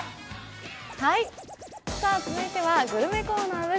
続いてはグルメコーナーです。